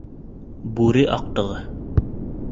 Бүре аҡтығы!